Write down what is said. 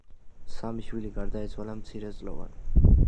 სამი შვილი გარდაეცვალა მცირეწლოვანი.